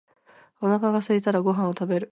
お腹がすいたらご飯を食べる。